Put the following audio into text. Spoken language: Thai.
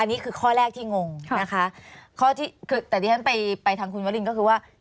อันนี้คือข้อแรกที่งงนะคะข้อที่คือแต่ที่ฉันไปไปทางคุณวรินก็คือว่า